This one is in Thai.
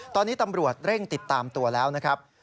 ตอนนี้ตำรวจเร่งติดตามตัวแล้วนะครับ